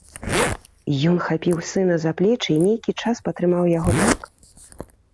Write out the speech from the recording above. Ён хапіў сына за плечы і нейкі час патрымаў яго так.